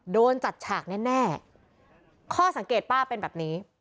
โดนจัดฉากแน่ข้อสังเกตป้าเป็นแบบนี้